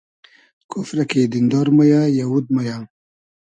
کوفرۂ کی دیندار مۉ یۂ , یئوود مۉ یۂ